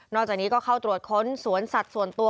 จากนี้ก็เข้าตรวจค้นสวนสัตว์ส่วนตัว